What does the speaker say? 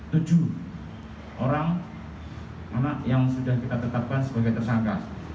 tujuh orang anak yang sudah kita tetapkan sebagai tersangka